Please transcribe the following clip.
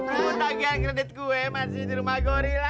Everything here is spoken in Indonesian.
tugas kredit gue masih di rumah gorilla